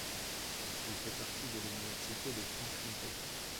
Il fait partie de l'Université de Franche-Comté.